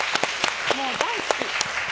もう、大好き！